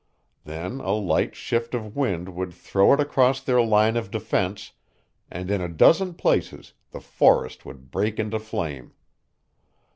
Then a light shift of wind would throw it across their line of defense, and in a dozen places the forest would break into flame.